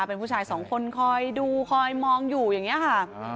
เป็นผู้ชายสองคนคอยดูคอยมองอยู่อย่างนี้ค่ะ